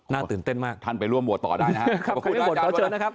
น่าตื่นเต้นมากท่านไปร่วมโหวตต่อได้ครับ